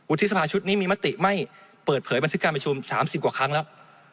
ที่สภาชุดนี้มีมติไม่เปิดเผยบันทึกการประชุม๓๐กว่าครั้งแล้ว